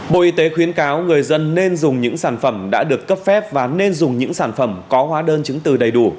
bộ y tế khuyến cáo người dân nên dùng những sản phẩm đã được cấp phép và nên dùng những sản phẩm có hóa đơn chứng từ đầy đủ